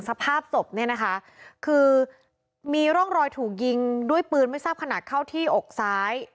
สภาพศพเนี่ยนะคะคือมีร่องรอยถูกยิงด้วยปืนไม่ทราบขนาดเข้าที่อกซ้าย